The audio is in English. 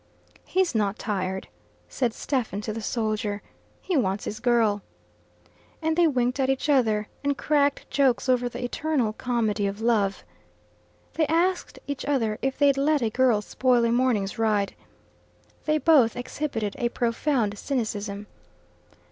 "He's not tired," said Stephen to the soldier; "he wants his girl." And they winked at each other, and cracked jokes over the eternal comedy of love. They asked each other if they'd let a girl spoil a morning's ride. They both exhibited a profound cynicism.